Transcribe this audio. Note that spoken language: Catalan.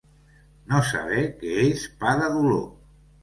No saber què és pa de dolor.